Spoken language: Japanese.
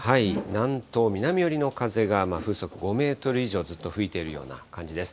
南東、南寄りの風が風速５メートル以上、ずっと吹いているような感じです。